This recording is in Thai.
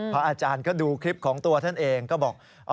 พระอาจารย์ก็ดูคลิปของตัวท่านเองก็บอก